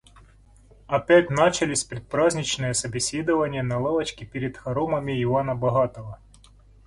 Опять начались предпраздничные собеседования на лавочке перед хоромами Ивана Богатого